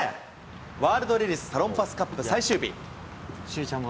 ワールドレディスサロンパスカップ最終日。